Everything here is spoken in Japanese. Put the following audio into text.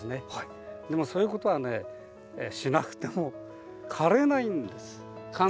でもそういうことはしなくても枯れないんです。